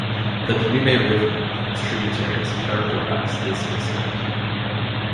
The Danube river and its tributaries characterise this district.